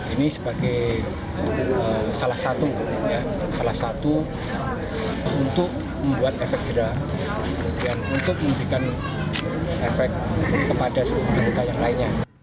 ini sebagai salah satu untuk membuat efek jerah dan untuk memberikan efek kepada seluruh anggota yang lainnya